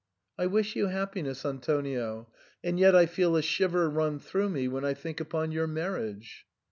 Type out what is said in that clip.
I wish you happiness, Antonio, and yet I feel a shiver run through me when I think upon your marriage."